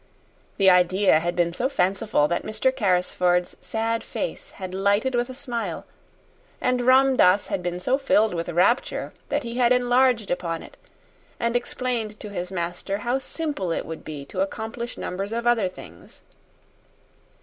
The idea had been so fanciful that Mr. Carrisford's sad face had lighted with a smile, and Ram Dass had been so filled with rapture that he had enlarged upon it and explained to his master how simple it would be to accomplish numbers of other things.